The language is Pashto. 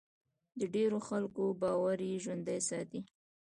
د ډېرو خلکو باور یې ژوندی ساتي.